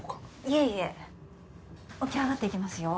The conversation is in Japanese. いえいえ起き上がっていきますよ